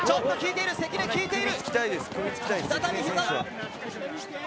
関根、効いている！